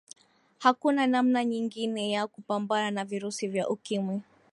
hakuna namna nyingine ya kupambana na virusi vya ukimwi